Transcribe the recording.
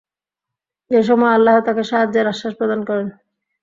এ সময় আল্লাহ্ তাকে সাহায্যের আশ্বাস প্রদান করেন।